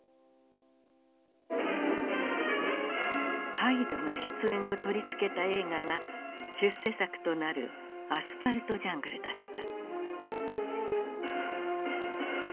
ハイドが出演を取り付けた映画が出世作となる「アスファルト・ジャングル」だった。